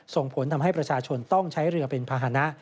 ส่งผลทำให้ประชาชนต้องใช้เรือเป็นภาษณะ